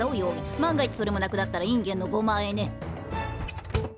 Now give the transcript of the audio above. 万が一それもなくなったらインゲンのごまあえね。